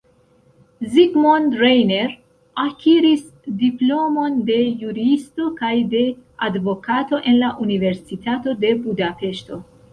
Zsigmond Reiner akiris diplomon de juristo kaj de advokato en la Universitato de Budapeŝto.